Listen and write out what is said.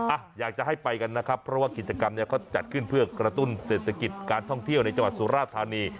อ่ะอยากจะให้ไปกันนะครับเพราะว่ากิจกรรมเนี่ยเขาจัดขึ้นเพื่อกระตุ้นเศรษฐกิจการท่องเที่ยวในจังหวัดสุราธานี